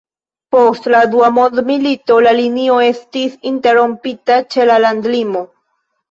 Post la Dua Mondmilito la linio estis interrompita ĉe la landlimo.